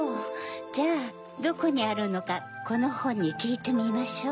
じゃあどこにあるのかこのほんにきいてみましょう。